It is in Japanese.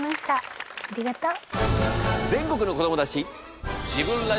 ありがとう。